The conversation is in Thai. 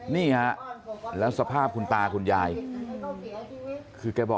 นี่ฮะแล้วสภาพคุณตาคุณยายคือแกบอก